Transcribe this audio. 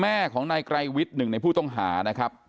แม่ของนายไกรวิทย์หนึ่งในผู้ต้องหานะครับ